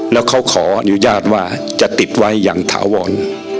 แล้วเขาขออนุญาตว่าจะติดไว้อย่างถาวร